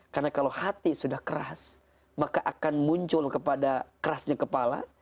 karena kalau hati sudah keras maka akan muncul kepada kerasnya kepala